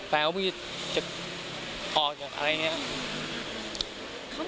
ไปเรียกสี่เรียกหมอนี่ครับ